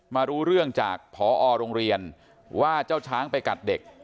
รู้เรื่องจากพอโรงเรียนว่าเจ้าช้างไปกัดเด็ก